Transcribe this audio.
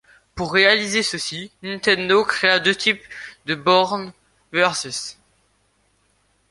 Pour réaliser ceci, Nintendo créa deux types de bornes Vs.